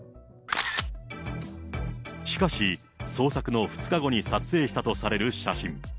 しかし、捜索の２日後に撮影したとされる写真。